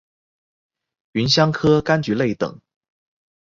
芸香科柑橘类等。